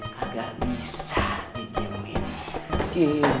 kagak bisa dikirimin